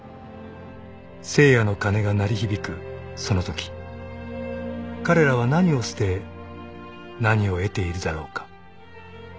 ［聖夜の鐘が鳴り響くそのとき彼らは何を捨て何を得ているだろうか］